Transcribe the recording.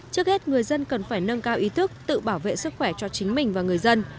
trước hết người dân cần phải nâng cao ý thức tự bảo vệ sức khỏe cho chính mình và người dân